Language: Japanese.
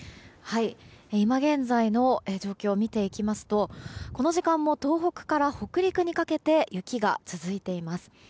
今現在の状況を見ていきますとこの時間も東北から北陸にかけて雪が続いています。